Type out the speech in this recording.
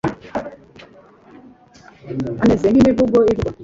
Ameze nk'imivugo ivugwa